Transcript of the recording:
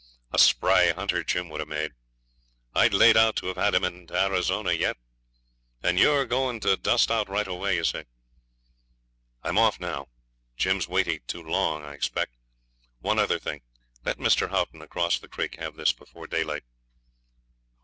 A spry hunter Jim would have made. I'd laid out to have had him to Arizona yet and you're a going to dust out right away, you say?' 'I'm off now. Jim's waited too long, I expect. One other thing; let Mr. Haughton, across the creek, have this before daylight.'